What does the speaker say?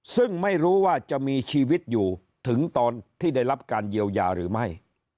ซึ่งไม่รู้ว่าจะมีชีวิตอยู่ถึงตอนที่ได้รับการเยียวยาหรือไม่